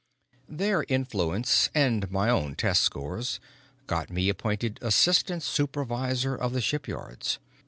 Their influence and my own test scores got me appointed assistant supervisor of the shipyards.